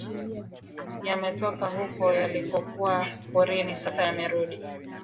yametoka huko yalikokuwa porini sasa yamerudi